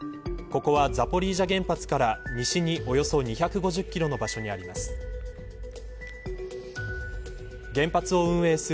ここは、ザポリージャ原発から西におよそ２５０キロの場所にあります。